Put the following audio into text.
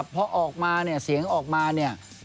พอออกมาเนี่ยเสียงออกมาเนี่ย